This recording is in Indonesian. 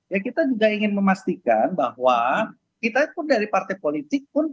ya kita juga ingin memastikan bahwa kita pun dari partai politik pun